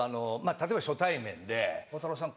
例えば初対面で「鋼太郎さん